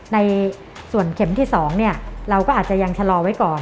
ในส่วนเข็มที่๒เราก็อาจจะยังชะลอไว้ก่อน